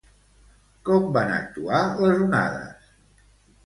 Com van actuar les onades?